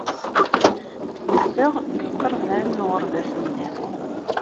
Nezdeɣ deg lqerban n uɣerbaz-nni.